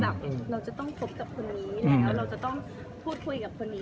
เราจะต้องคบกับคนนี้แล้วเราจะต้องพูดคุยกับคนนี้